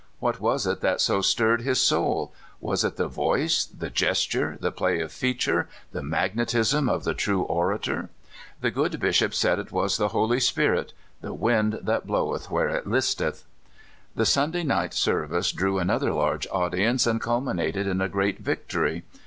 What was it that so stirred his soul? Was it the voice, the gesture, the play of feature, the magnetism of the true orator? The good Bishop said it was the Holy Spirit — the wind that bloweth w^here ii listeth. The Sunday night service drew another large audience, and culminated in a great victory.